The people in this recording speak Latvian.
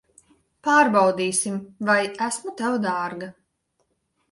Pārbaudīsim, vai esmu tev dārga.